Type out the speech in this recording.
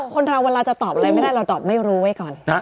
คนเราเวลาจะตอบอะไรไม่ได้เราตอบไม่รู้ไว้ก่อน